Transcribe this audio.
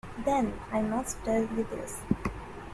Then I must tell you this.